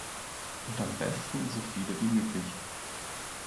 Und am besten so viele wie möglich.